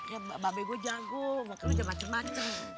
ya babe gue jago makan aja macem macem